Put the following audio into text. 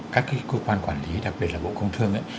các cơ quan quản lý đặc biệt là bộ công thương